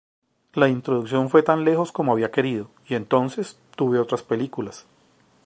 La introducción fue tan lejos como había querido y entonces tuve otras películas.